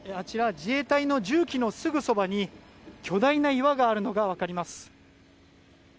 自衛隊の重機のすぐそばに巨大な岩があるのが分かります。